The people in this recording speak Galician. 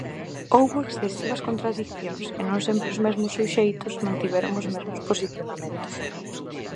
Houbo excesivas contradicións e non sempre os mesmos suxeitos mantiveron os mesmos posicionamentos.